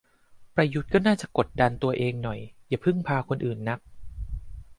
ประยุทธ์ก็น่าจะกดดันตัวเองหน่อย อย่าพึ่งพาคนอื่นนัก